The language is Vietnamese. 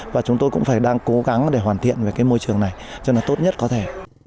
và chúng tôi cũng phải cố gắng hoàn thiện môi trường này cho tốt nhất có thể